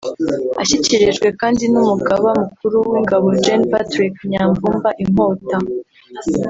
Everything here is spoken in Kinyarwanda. Ashyikirijwe kandi n’umugaba mukuru w’ingabo Gen Patrick Nyamvumba Inkota